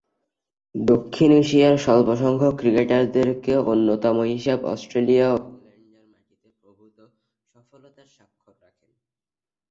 দক্ষিণ এশিয়ার স্বল্পসংখ্যক ক্রিকেটারদের অন্যতম হিসেবে অস্ট্রেলিয়া ও ইংল্যান্ডের মাটিতে প্রভূতঃ সফলতার স্বাক্ষর রাখেন।